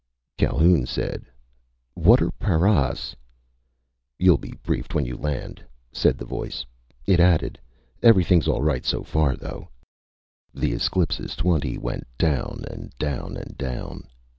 _" Calhoun said: "What are paras?" "You'll be briefed when you land," said the voice. It added: "Everything's all right so far, though." The Esclipus Twenty went down and down and down.